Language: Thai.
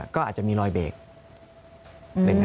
ก็อาจจะมีรอยเบรก